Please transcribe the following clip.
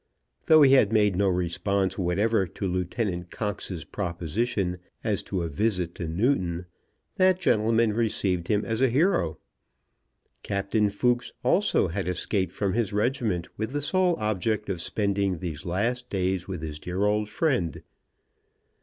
Though he had made no response whatever to Lieutenant Cox's proposition as to a visit to Newton, that gentleman received him as a hero. Captain Fooks also had escaped from his regiment with the sole object of spending these last days with his dear old friend.